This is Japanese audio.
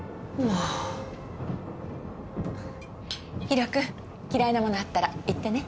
ひろ君嫌いなものあったら言ってね。